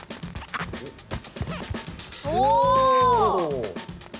お！